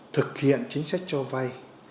thực hiện chính sách cho vai